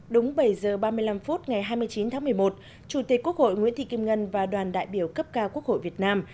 đúng bảy giờ ba mươi năm phút ngày hai mươi chín tháng một mươi một chủ tịch quốc hội nguyễn thị kim ngân và đoàn đại biểu cấp cao quốc hội việt nam